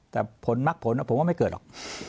แต่ผลมักผลผมว่าไม่เกิดหรอก